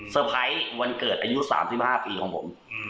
ไพรส์วันเกิดอายุ๓๕ปีของผม